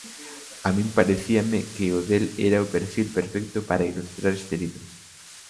A min parecíame que o del era o perfil perfecto para ilustrar este libro.